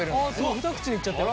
一口でいっちゃったよ。